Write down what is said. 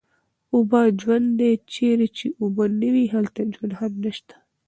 اوبه ژوند دی، چېرې چې اوبه نه وي هلته ژوند هم نشته